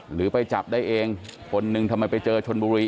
หรือไปจับได้เองคนหนึ่งทำไมไปเจอชนบุรี